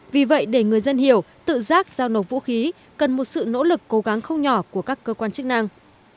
vì vậy để người dân hiểu tự giác giao nộp vũ khí cần một sự nỗ lực cố gắng không nhỏ của các cơ quan chức năng